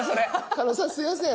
加納さんすいません。